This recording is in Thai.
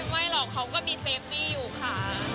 ไม่หรอกเขาก็มีเซฟซี่อยู่ค่ะ